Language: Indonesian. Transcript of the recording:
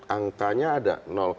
angkanya ada empat puluh tiga